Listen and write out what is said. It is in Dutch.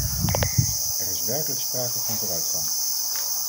Er is werkelijk sprake van vooruitgang.